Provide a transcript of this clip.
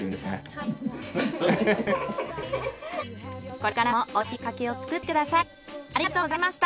これからもおいしい柿を作ってください。